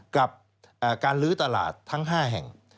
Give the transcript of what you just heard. กับการลื้อตลาดทั้ง๕แห่ง